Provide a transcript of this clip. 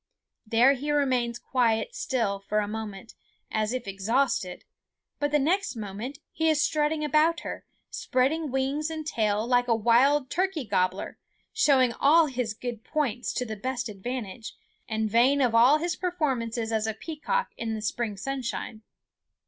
There he remains quite still for a moment, as if exhausted; but the next moment he is strutting about her, spreading wings and tail like a wild turkey gobbler, showing all his good points to the best advantage, and vain of all his performances as a peacock in the spring sunshine.